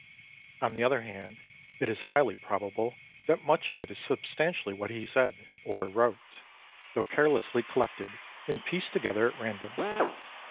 On the other hand, it is highly probable that much of it is substantially what he said or 10 wrote, though carelessly collected and pieced to gether at random.